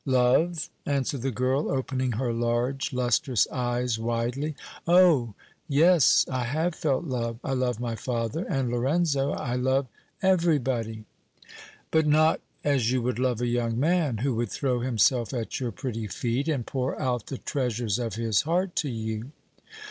"Love?" answered the girl, opening her large, lustrous eyes widely. "Oh! yes, I have felt love. I love my father and Lorenzo, I love everybody!" "But not as you would love a young man, who would throw himself at your pretty feet and pour out the treasures of his heart to you!"